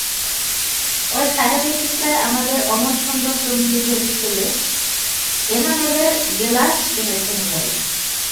ঐ সাহেবী শিক্ষায় আমাদের অমন সুন্দর চুমকি ঘটী ফেলে এনামেলের গেলাস এনেছেন ঘরে।